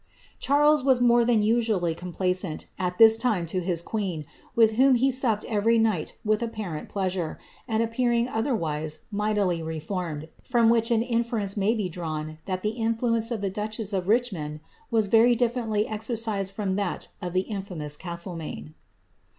i was more than usually complaisant at this time to his queen, »m he supped every night with apparent pleasure, and appear *wise mightily reformed,' from which an inference may be tat the influence of the duchess of Richmond was very difier rcised from that of the infamous Castlemaine.